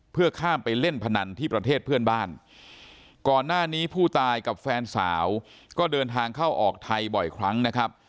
เพื่อข้ามไปเล่นพนันที่ประเทศเพื่อนบ้านก่อนหน้านี้ผู้ตายกับแฟนสาวก็เดินทางเข้าออกไทยบ่อยครั้งนะครับ